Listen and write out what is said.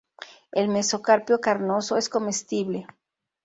El mesocarpio carnoso es comestible.